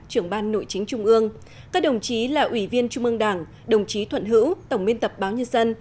trưởng ban nội chính trung ương các đồng chí là ủy viên trung ương đảng đồng chí thuận hữu tổng biên tập báo nhân dân